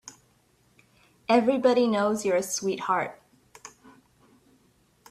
Everybody knows you're a sweetheart.